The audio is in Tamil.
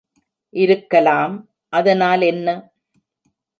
இருக்கலாம் அதனால் என்ன?